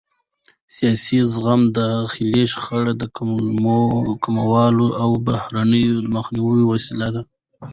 سیاسي زغم د داخلي شخړو د کمولو او بحرانونو د مخنیوي وسیله ده